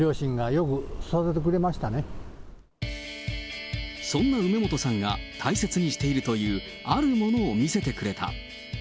まあ、そんな梅本さんが、大切にしているという、あるものを見せてくれた。